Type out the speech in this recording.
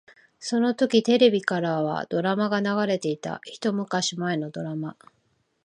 そのときテレビからはドラマが流れていた。一昔前のドラマ。